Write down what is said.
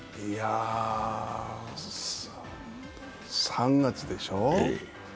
いや３月でしょう？